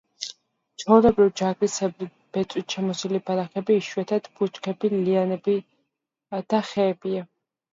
ჩვეულებრივ ჯაგრისებრი ბეწვით შემოსილი ბალახები, იშვიათად ბუჩქები, ლიანები და ხეებია.